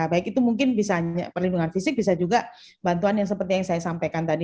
baik itu mungkin bisa perlindungan fisik bisa juga bantuan yang seperti yang saya sampaikan tadi